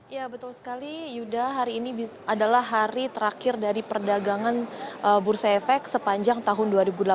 ya betul sekali yuda hari ini adalah hari terakhir dari perdagangan bursa efek sepanjang tahun dua ribu delapan belas